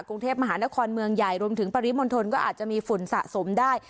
กรุงเทพมหานครเมืองใหญ่รวมถึงปริมณฑลก็อาจจะมีฝุ่นสะสมได้